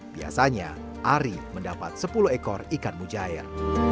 biasanya ari mendapat sepuluh ekor ikan mujair